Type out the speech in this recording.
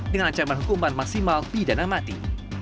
dengan ancaman hukuman maksimal pidana mati